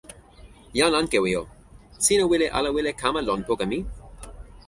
jan Ankewi o, sina wile ala wile kama lon poka mi?